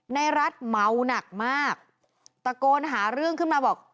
ในรัฐเมาหนักมากตะโกนหาเรื่องขึ้นมาบอก